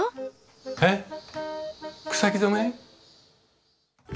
えっ草木染め？